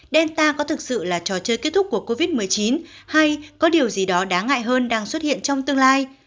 delta có thực sự là trò chơi kết thúc của covid một mươi chín hay có điều gì đó đáng ngại hơn đang xuất hiện trong tương lai